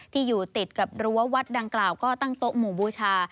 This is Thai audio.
ที่อยู่ติดกับรั้ววัดดังกล่าวก็ตั้งโต๊ะหมู่บูชา